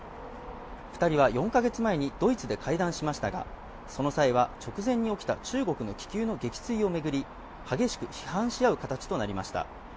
２人は４ヶ月前にドイツで会談しましたが、その際は直前に起きた中国の気球の撃墜を巡り激しく批判し合う形となりました。